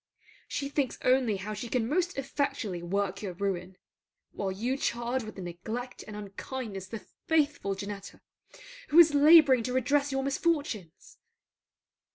She thinks only how she can most effectually work your ruin; while you charge with neglect and unkindness the faithful Janetta, who is labouring to redress your misfortunes.